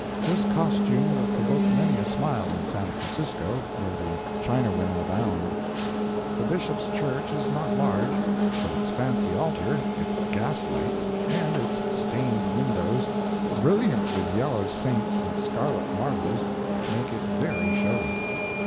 This costume will provoke many a smile in San Francisco, where the Chinawomen abound. The Bishop's church is not large, but its fancy altar, its gas lights, and its stained windows, brilliant with yellow saints and scarlet martyrs, make it very showy.